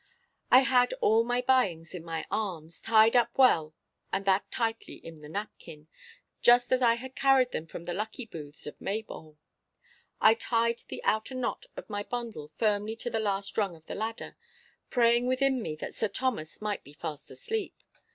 I had all my buyings in my arms, tied up well and that tightly in the napkin, just as I had carried them from the lucky booths of Maybole. I tied the outer knot of my bundle firmly to the last rung of the ladder, praying within me that Sir Thomas might be fast asleep.